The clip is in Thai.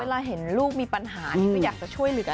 เห็นลูกมีปัญหานี่ก็อยากจะช่วยเหลือ